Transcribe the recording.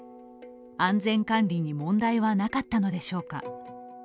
安全管理に問題はなかったのでしょうか。